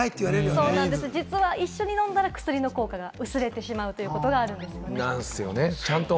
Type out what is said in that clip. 実は一緒に飲んだら、薬の効果が薄れてしまうということあるんですよね。